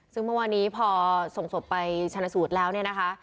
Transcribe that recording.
ซึ่งเมื่อวานี้พอส่งศพไปชนะสูตรแล้วเนี่ยนะคะ